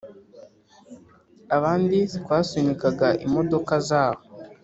Abandi twasunikaga imodoka zabo